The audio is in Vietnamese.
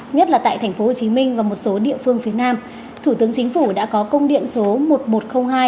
nhất là tại tp hcm và một số địa phương phía nam thủ tướng chính phủ đã có công điện số một nghìn một trăm linh hai